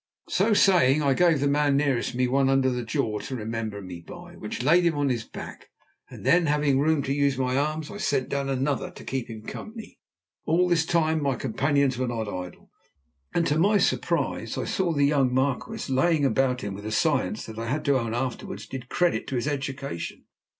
So saying, I gave the man nearest me one under the jaw to remember me by, which laid him on his back, and then, having room to use my arms, sent down another to keep him company. All this time my companions were not idle, and to my surprise I saw the young Marquis laying about him with a science that I had to own afterwards did credit to his education.